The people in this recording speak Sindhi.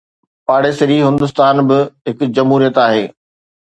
پاڙيسري هندستان به هڪ جمهوريت آهي.